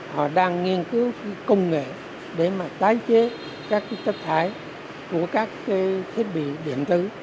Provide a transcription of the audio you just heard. họ đang nghiên cứu công nghệ để mà tái chế các cái tất thải của các cái thiết bị điện tử